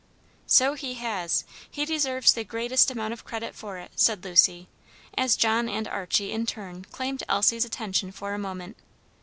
"So he has; he deserves the greatest amount of credit for it," said Lucy, as John and Archie in turn claimed Elsie's attention for a moment.